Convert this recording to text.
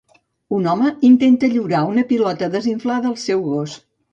Un home intenta lliurar una pilota desinflada al seu gos.